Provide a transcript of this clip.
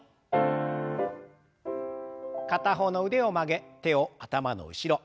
片方の腕を曲げ手を頭の後ろ。